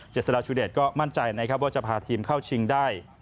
เจสราชุเดชก็มั่นใจว่าจะพาทีมเข้าชิงได้